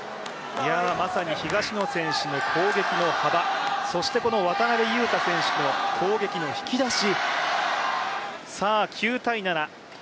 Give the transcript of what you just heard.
まさに東野選手の攻撃の幅、渡辺勇大選手の攻撃の引き出し。